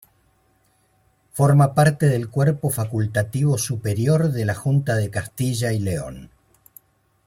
Forma parte del cuerpo facultativo superior de la Junta de Castilla y León.